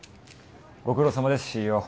ご苦労さまです